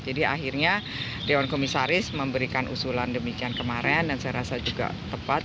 jadi akhirnya dewan komisaris memberikan usulan demikian kemarin dan saya rasa juga tepat